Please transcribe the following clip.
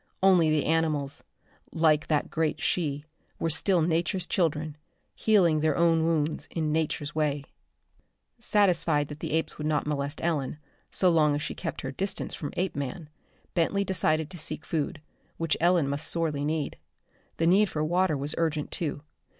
Only the animals, like that great she, still were Nature's children, healing their own wounds in Nature's way. Satisfied that the apes would not molest Ellen, so long as she kept her distance from Apeman, Bentley decided to seek food, which Ellen must sorely need. The need for water was urgent, too.